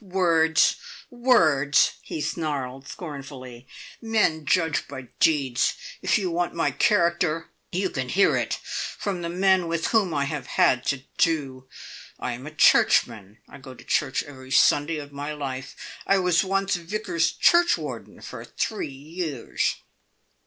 "Words! Words!" he snarled scornfully. "Men judge by deeds. If you want my character, you can hear it from the men with whom I have had to do. I am a Churchman. I go to church every Sunday of my life. I was once Vicar's churchwarden for three years."